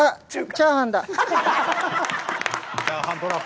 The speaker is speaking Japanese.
「チャーハンだ」。